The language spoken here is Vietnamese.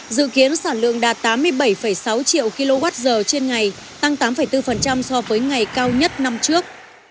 dự kiến sản lượng đạt tám mươi bảy sáu triệu kwh trên ngày tăng tám bốn so với ngày cao nhất năm trước